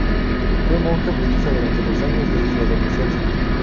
Fue monje budista durante los años de su adolescencia.